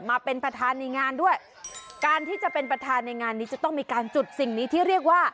มาเป็นประธานในงานด้วยการที่จะเป็นประธานในงานนี้จะต้องมีการจุดสิ่งนี้ที่เรียกว่า